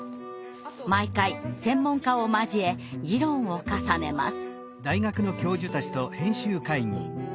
毎回専門家を交え議論を重ねます。